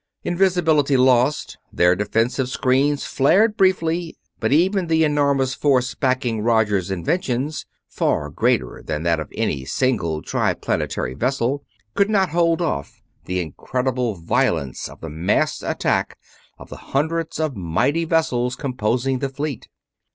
Invisibility lost, their defensive screens flared briefly; but even the enormous force backing Roger's inventions, far greater than that of any single Triplanetary vessel, could not hold off the incredible violence of the massed attack of the hundreds of mighty vessels composing the Fleet.